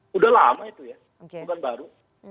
sudah lama itu ya bukan baru